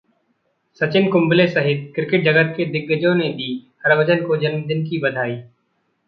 सचिन, कुंबले सहित क्रिकेट जगत के दिग्गजों ने दी हरभजन को जन्मदिन की बधाई